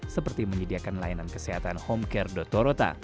seperti menyediakan layanan kesehatan home care dotorota